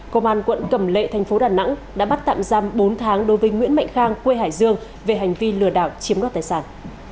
công an quận cầm lệ thành phố đà nẵng đã bắt tạm giam bốn tháng đối với nguyễn mạnh khang quê hải dương về hành vi lừa đảo chiếm đoạt tài sản